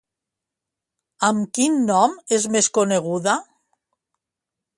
Amb quin nom és més coneguda?